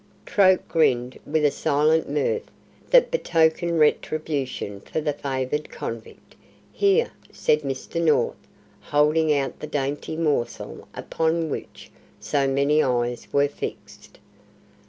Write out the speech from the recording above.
Troke grinned with a silent mirth that betokened retribution for the favoured convict. "Here," said Mr. North, holding out the dainty morsel upon which so many eyes were fixed.